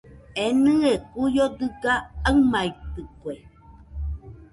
Enɨe kuio dɨga aɨmaitɨkue.